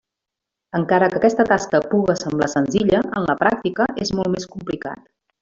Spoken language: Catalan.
Encara que aquesta tasca puga semblar senzilla, en la pràctica és molt més complicat.